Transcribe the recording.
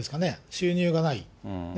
収入がない。